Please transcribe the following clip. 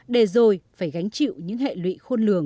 để rồi phải gánh chịu những hệ lụy khôn lường